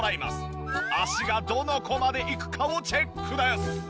足がどの子までいくかをチェックです。